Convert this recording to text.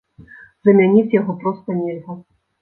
Замяніць яго проста нельга.